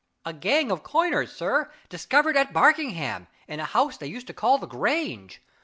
"A gang of coiners, sir, discovered at Barkingham in a house they used to call the Grange.